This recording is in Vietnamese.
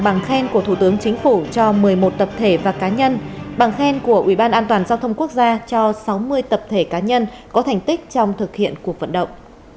bằng khen của thủ tướng chính phủ cho một mươi một tập thể và cá nhân bằng khen của ubnd cho sáu mươi tập thể cá nhân có thành tích trong thực hiện cuộc vận động